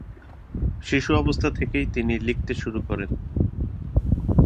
শিশু অবস্থা থেকেই তিনি লিখতে শুরু করেন।